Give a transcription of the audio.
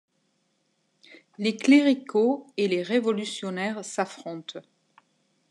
Les cléricaux et les révolutionnaires s'affrontent.